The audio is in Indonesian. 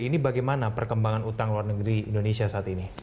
ini bagaimana perkembangan utang luar negeri indonesia saat ini